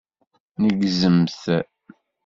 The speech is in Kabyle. Neggzemt.